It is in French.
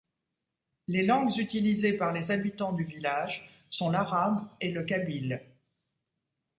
Les langues utilisées par les habitants du village sont l'arabe et le kabyle.